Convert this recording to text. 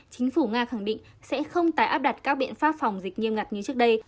chính phủ nga khẳng định sẽ không tái áp đặt các biện pháp phòng dịch nghiêm ngặt như trước đây